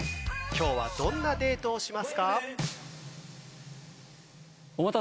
今日はどんなデートをしますか？